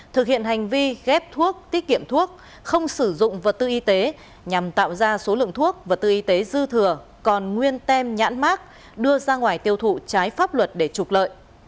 thực hiện hành vi ghép thuốc tiết kiệm thuốc không sử dụng vật tư y tế nhằm tạo ra số lượng thuốc vật tư y tế dư thừa còn nguyên tem nhãn mát đưa ra ngoài tiêu thụ trái pháp luật để trục lợi